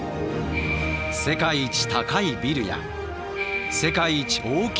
世界一高いビルや世界一大きい観覧車